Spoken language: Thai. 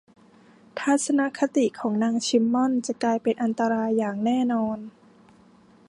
ทัศนคติของนางซิมมอนส์จะกลายเป็นอันตรายอย่างแน่นอน